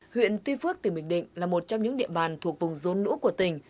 huyện tuy phước tỉnh bình định là một trong những địa bàn thuộc vùng dân